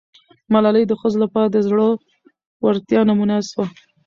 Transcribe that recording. ملالۍ د ښځو لپاره د زړه ورتیا نمونه سوه.